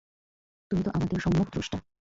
তুমি তো আমাদের সম্যক দ্রষ্টা।